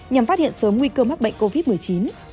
nhằm phát hiện sớm nguy cơ mắc bệnh covid một mươi chín